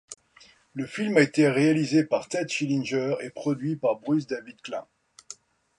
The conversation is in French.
Le film a été réalisé par Ted Schillinger et produit par Bruce David Klein.